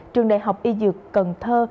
trường đại học y dược cần thơ